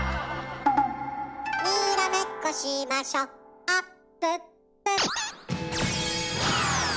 「にらめっこしましょあっぷっぷ」